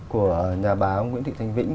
của nhà báo nguyễn thị thánh vĩnh